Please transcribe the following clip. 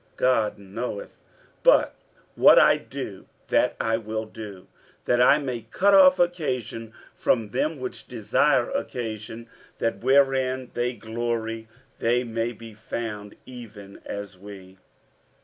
God knoweth. 47:011:012 But what I do, that I will do, that I may cut off occasion from them which desire occasion; that wherein they glory, they may be found even as we.